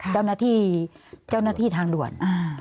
เจ้าหน้าที่ทางด่วน